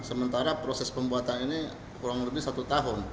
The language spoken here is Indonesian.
sementara proses pembuatan ini kurang lebih satu tahun